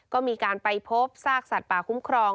ก็มีการไปพบซากสัตว์ป่าคุ้มครอง